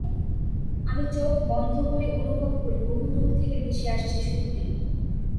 আমি চোখ বন্ধ করে অনুভব করি, বহুদূর থেকে ভেসে আসছে সুরটি।